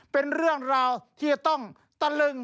เป็นเรื่องราวที่จะต้องตะลึง